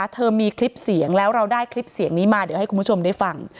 เธอมีคลิปเสียงแล้วเราได้คลิปเสียงนี้มาเดี๋ยวให้คุณผู้ชมได้ฟัง